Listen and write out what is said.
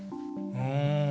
うん。